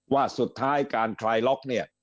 ว่าสุดท้ายการคลายล็อกเนี่ย